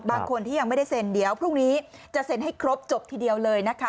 บางคนที่ยังไม่ได้เซ็นเดี๋ยวพรุ่งนี้จะเซ็นให้ครบจบทีเดียวเลยนะคะ